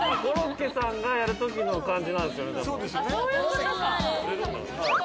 コロッケさんがやるときの感じなんですよね。